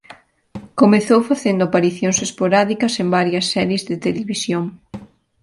Comezou facendo aparicións esporádicas en varias series de televisión.